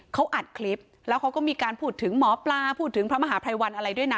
เขาอัดคลิปแล้วเขาก็มีการพูดถึงหมอปลาพูดถึงพระมหาภัยวันอะไรด้วยนะ